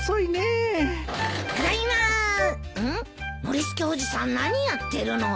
ノリスケおじさん何やってるの？